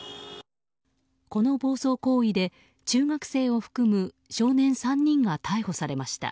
この暴走行為で中学生を含む少年３人が逮捕されました。